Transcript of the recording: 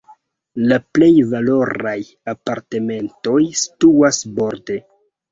La plej valoraj apartamentoj situas borde.